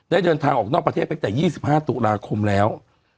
เดินทางออกนอกประเทศไปตั้งแต่๒๕ตุลาคมแล้ว